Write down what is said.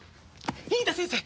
飯田先生！